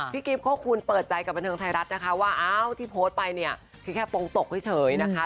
พี่กิ๊บโคคคูณเปิดใจกับบรรเทิงไทยรัฐนะคะว่าที่โพสต์ไปเนี่ยแค่โปรงตกเพียงเฉยนะคะ